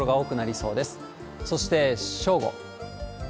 そして正午。